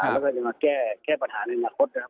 แล้วก็จะมาแก้ปัญหาในอนาคตนะครับ